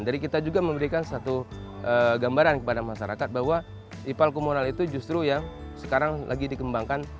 dari kita juga memberikan satu gambaran kepada masyarakat bahwa ipal komunal itu justru yang sekarang lagi dikembangkan